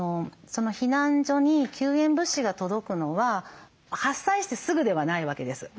避難所に救援物資が届くのは発災してすぐではないわけです。